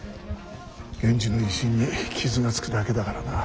源氏の威信に傷がつくだけだからな。